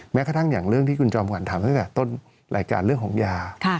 แม้กระทั่งอย่างเรื่องที่คุณจอมขวัญถามตั้งแต่ต้นรายการเรื่องของยา